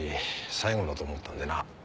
最後だと思ったんでな。